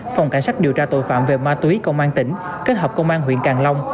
phòng cảnh sát điều tra tội phạm về ma túy công an tỉnh kết hợp công an huyện càng long